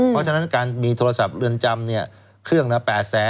ล้านหนึ่งเนี่ยนะครับ